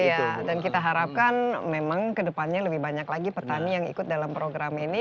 iya dan kita harapkan memang kedepannya lebih banyak lagi petani yang ikut dalam program ini